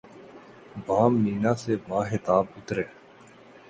بام مینا سے ماہتاب اترے